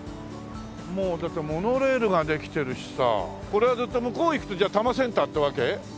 もうだってモノレールができてるしさこれはずっと向こう行くとじゃあ多摩センターってわけ？